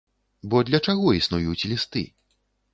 Бо для чаго існуюць лісты?